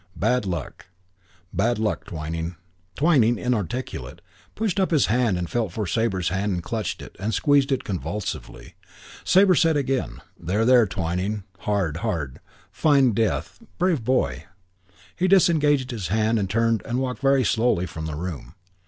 Bad luck. Bad luck, Twyning...." Twyning, inarticulate, pushed up his hand and felt for Sabre's hand and clutched it and squeezed it convulsively. Sabre said again, "There, there, Twyning. Hard. Hard. Fine death.... Brave boy...." He disengaged his hand and turned and walked very slowly from the room.